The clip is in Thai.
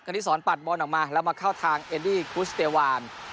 ณิสรปัดบอลออกมาแล้วมาเข้าทางเอดี้คุสเตวาน